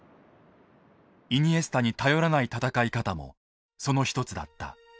イニエスタに頼らない戦い方もその一つだった。